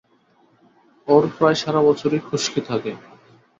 ওর প্রায় সারা বছরই খুশকি থাকে।